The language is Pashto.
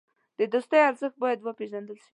د دوستۍ ارزښت باید وپېژندل شي.